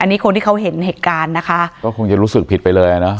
อันนี้คนที่เขาเห็นเหตุการณ์นะคะก็คงจะรู้สึกผิดไปเลยอ่ะเนอ